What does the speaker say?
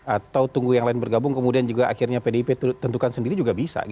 atau tunggu yang lain bergabung kemudian juga akhirnya pdip tentukan sendiri juga bisa